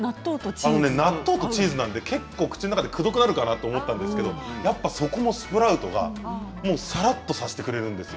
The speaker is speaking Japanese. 納豆とチーズ、口の中でくどなるかな？と思ったんですけれどもそこもスプラウトがさらっとさせてくれるんです。